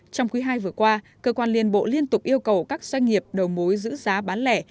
trong quý ii vừa qua cơ quan liên bộ liên tục yêu cầu các doanh nghiệp đầu mối giữ giá bán lẻ